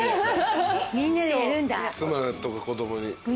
妻とか子供に。